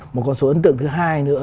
một con số ấn tượng thứ hai nữa